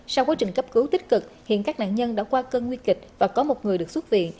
sau quá trình cấp cứu tích cực hiện các nạn nhân đã qua cơn nguy kịch và có một người được xuất viện